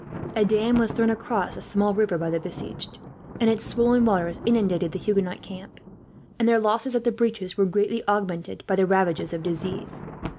A dam was thrown across a small river by the besieged, and its swollen waters inundated the Huguenot camp; and their losses at the breaches were greatly augmented by the ravages of disease.